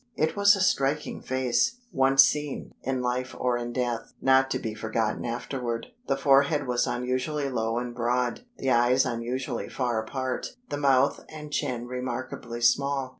It was a striking face once seen (in life or in death) not to be forgotten afterward. The forehead was unusually low and broad; the eyes unusually far apart; the mouth and chin remarkably small.